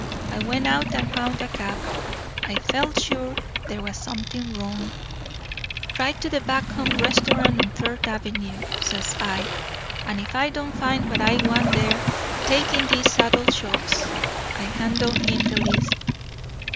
I went out and found a cab. I felt sure there was something wrong. "'Drive to the Back Home Restaurant on Third Avenue,' says I. 'And if I don't find what I want there, take in these saddle shops.' I handed him the list.